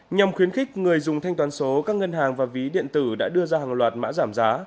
nhằm khuyến khích người dùng thanh toán số các ngân hàng và ví điện tử đã đưa ra hàng loạt mã giảm giá